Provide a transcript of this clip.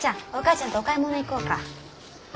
ちゃんとお買い物行こうか？